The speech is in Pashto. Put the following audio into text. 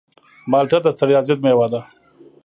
مالټه د ستړیا ضد مېوه ده.